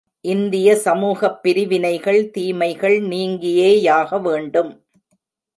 இந்திய சமூகப் பிரிவினைகள், தீமைகள் நீங்கியே யாகவேண்டும்.